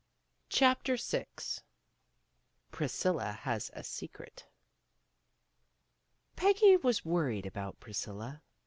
CHAPTER VI PRISCILLA HAS A SECRET PEGGY was worried about Priscilla.